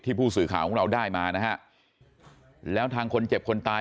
ผู้สื่อข่าวของเราได้มานะฮะแล้วทางคนเจ็บคนตาย